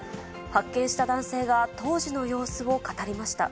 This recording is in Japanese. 発見した男性が、当時の様子を語りました。